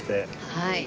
はい。